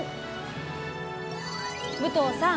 武藤さん